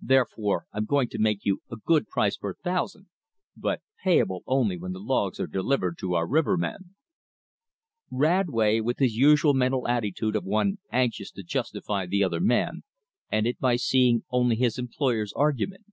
Therefore I'm going to make you a good price per thousand, but payable only when the logs are delivered to our rivermen." Radway, with his usual mental attitude of one anxious to justify the other man, ended by seeing only his employer's argument.